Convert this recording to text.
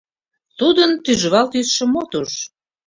Тудын тӱжвал тӱсшым от уж.